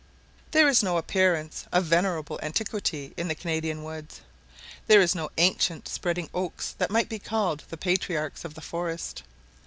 There is no appearance of venerable antiquity in the Canadian woods. There are no ancient spreading oaks that might be called the patriarchs of the forest.